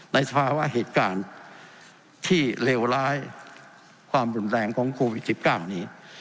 สภาวะเหตุการณ์ที่เลวร้ายความรุนแรงของโควิด๑๙นี้